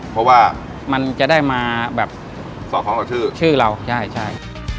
เพราะว่ามันจะได้มาแบบสอดคล้องกับชื่อชื่อเราใช่ใช่